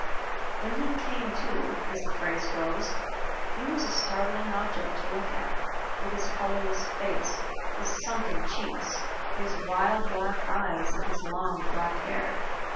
When he "came to," as the phrase goes, he was a startling object to look at, with his colorless face, his sunken cheeks, his wild black eyes, and his long black hair.